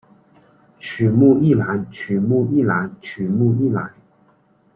曲目一览曲目一览曲目一览